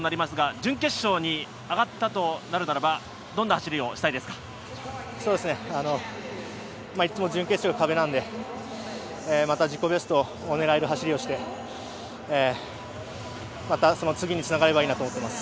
準決勝に上がったとなるならば、どんな走りをしたいですいつも準決勝が壁なので、自己ベストを狙える走りをしてその次につながればいいなと思っています。